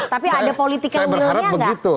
tapi ada politika berlunya gak